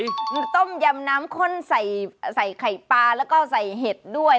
มีต้มยำน้ำข้นใส่ไข่ปลาแล้วก็ใส่เห็ดด้วย